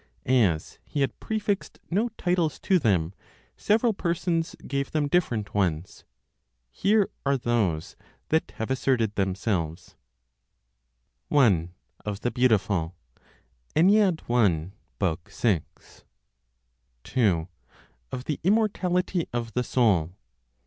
As he had prefixed no titles to them, several persons gave them different ones. Here are those that have asserted themselves: 1. Of the Beautiful. i. 6. 2. Of the Immortality of the Soul.